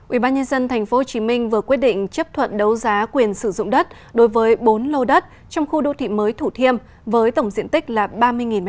ubnd tp hcm vừa quyết định chấp thuận đấu giá quyền sử dụng đất đối với bốn lô đất trong khu đô thị mới thủ thiêm với tổng diện tích là ba mươi m hai